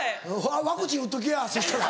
ワクチン打っときやそしたら。